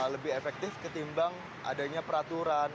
lebih efektif ketimbang adanya peraturan